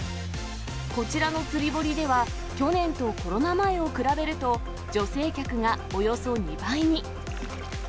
こちらの釣堀では、去年とコロナ前を比べると、女性客がおよそ２倍に。